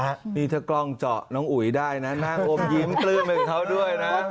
นี่เราก็นะคะจะได้กล้องเจาะน้องอุ๋ยได้มายิ้มเตลืมเขาด้วยนะครับ